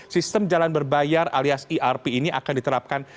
sistem jalan berbayar alias irp ini akan diterapkan